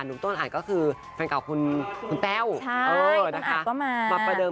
หนุ่มต้นอาจก็คือแฟนไก่เก่าคุณคุณเต้อเออน่ะค่ะเกือบมามาประเดิม